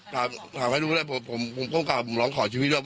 ถามให้รู้เลยผมก้มกราบผมร้องขอชีวิตด้วย